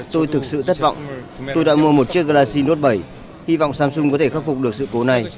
tôi thực sự thất vọng tôi đã mua một chiếc galaxin nuốt bảy hy vọng samsung có thể khắc phục được sự cố này